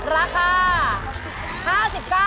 ราคา